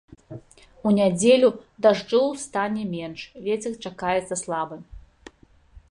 У нядзелю дажджоў стане менш, вецер чакаецца слабы.